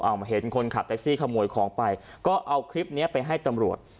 มาเห็นคนขับแท็กซี่ขโมยของไปก็เอาคลิปนี้ไปให้ตำรวจ